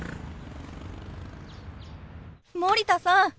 森田さん